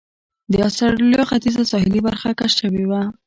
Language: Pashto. د اسټرالیا ختیځه ساحلي برخه کشف شوې وه.